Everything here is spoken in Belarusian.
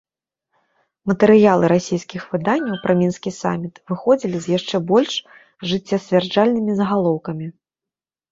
Матэрыялы расійскіх выданняў пра мінскі саміт выходзілі з яшчэ больш жыццесцвярджальнымі загалоўкамі.